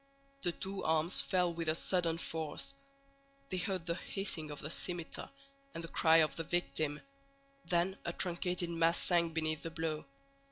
The two arms fell with a sudden force; they heard the hissing of the scimitar and the cry of the victim, then a truncated mass sank beneath the blow.